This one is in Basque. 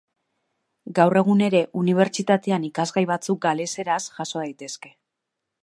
Gaur egun ere, unibertsitatean ikasgai batzuk galeseraz jaso daitezke.